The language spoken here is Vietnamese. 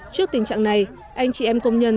trước tình trạng này anh chị em công nhân